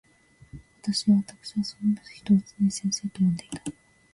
私わたくしはその人を常に先生と呼んでいた。